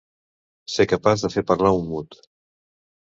Ser capaç de fer parlar un mut.